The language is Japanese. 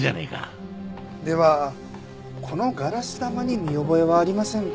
ではこのガラス玉に見覚えはありませんか？